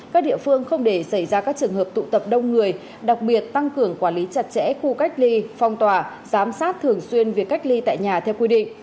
các địa phương không để xảy ra các trường hợp tụ tập đông người đặc biệt tăng cường quản lý chặt chẽ khu cách ly phong tỏa giám sát thường xuyên việc cách ly tại nhà theo quy định